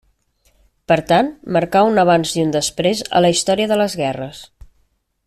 Per tant marcà un abans i un després a la història de les guerres.